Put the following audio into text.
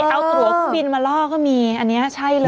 เอาตั๋วขึ้นบินมาล่อก็มีอันนี้ใช่เลย